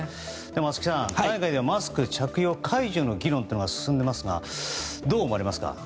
松木さん、海外ではマスク着用解除の議論が進んでいますがどう思われますか。